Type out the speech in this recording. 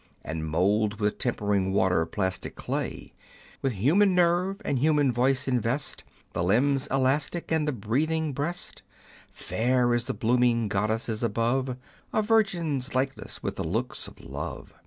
And mould with tempering water plastic clay ; With human nerve and human voice invest The limbs elastic, and the breathing breast ; Fair as the blooming goddesses above, A virgin's likeness with the looks of love.